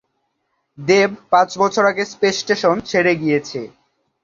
দেব পাঁচ বছর আগে স্পেস স্টেশন ছেড়ে গিয়েছে।